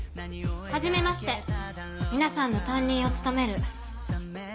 はじめまして皆さんの担任を務める。